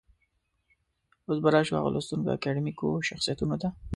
اوس به راشو هغه لوستو اکاډمیکو شخصيتونو ته.